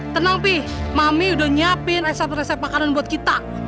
tenang pih mami udah nyiapin eksep resep makanan buat kita